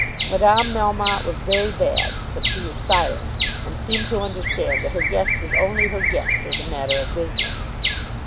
Madame Melmotte was very bad; but she was silent, and seemed to understand that her guest was only her guest as a matter of business.